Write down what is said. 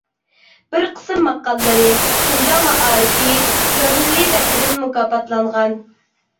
بىر قىسىم ماقالىلىرى «شىنجاڭ مائارىپى» ژۇرنىلى تەرىپىدىن مۇكاپاتلانغان.